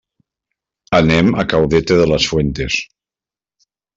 Anem a Caudete de las Fuentes.